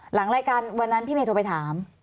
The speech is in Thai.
หลังรายการวันนั้นพี่เมย์โทรไปถาม